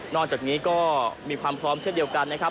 จากนี้ก็มีความพร้อมเช่นเดียวกันนะครับ